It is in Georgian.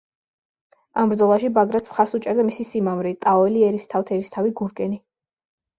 ამ ბრძოლაში ბაგრატს მხარს უჭერდა მისი სიმამრი, ტაოელი ერისთავთ-ერისთავი გურგენი.